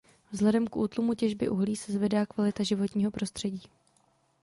Vzhledem k útlumu těžby uhlí se zvedá kvalita životního prostředí.